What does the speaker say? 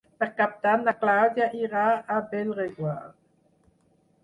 Per Cap d'Any na Clàudia irà a Bellreguard.